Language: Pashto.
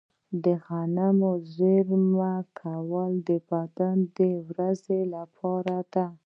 د غنمو زیرمه کول د بدې ورځې لپاره دي.